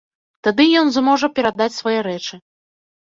Тады ён зможа перадаць свае рэчы.